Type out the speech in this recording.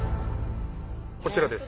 こちらです。